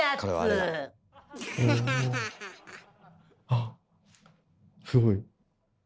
あすごい。